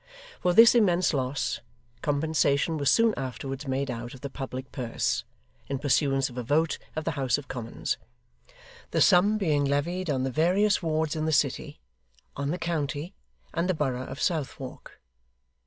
For this immense loss, compensation was soon afterwards made out of the public purse, in pursuance of a vote of the House of Commons; the sum being levied on the various wards in the city, on the county, and the borough of Southwark.